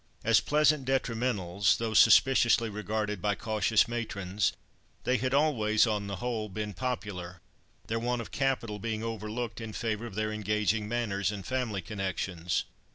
As pleasant detrimentals, though suspiciously regarded by cautious matrons, they had always, on the whole, been popular, their want of capital being overlooked in favour of their engaging manners and family connections.